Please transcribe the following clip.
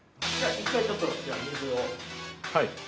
はい。